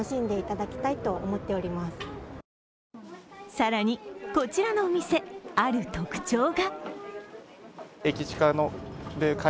更にこちらのお店、ある特徴が。